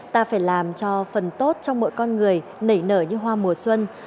ta phải làm cho phần tốt trong mỗi con người nảy nở như hoa mùa xuân